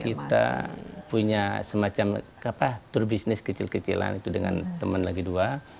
kita punya semacam tour bisnis kecil kecilan itu dengan teman lagi dua